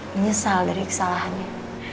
menyesal dari kesalahannya